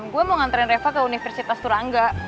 gue mau nganterin reva ke universitas turangga